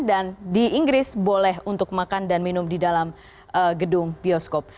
dan di inggris boleh untuk makan dan minum di dalam gedung bioskop